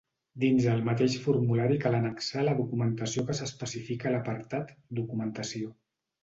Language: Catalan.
Dins el mateix formulari cal annexar la documentació que s'especifica a l'apartat 'Documentació'.